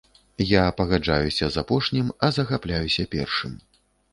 Я пагаджаюся з апошнім, а захапляюся першым.